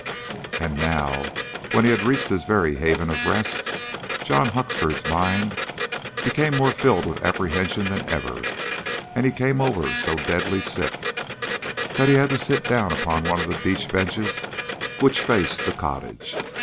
And now, when he had reached his very haven of rest, John Huxford's mind became more filled with apprehension than ever, and he came over so deadly sick, that he had to sit down upon one of the beach benches which faced the cottage.